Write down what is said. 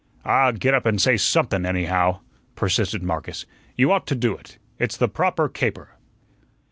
"Ah, get up and say somethun, anyhow," persisted Marcus; "you ought to do it. It's the proper caper."